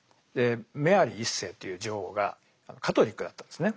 メアリー１世という女王がカトリックだったんですね。